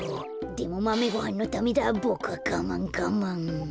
でもマメごはんのためだボクはがまんがまん。